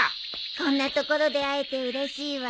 こんな所で会えてうれしいわ。